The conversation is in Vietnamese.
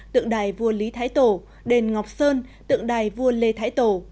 tượng đài vua lý thái tổ đền ngọc sơn tượng đài vua lê thái tổ